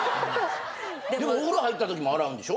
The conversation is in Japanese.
お風呂入ったときも洗うんでしょ？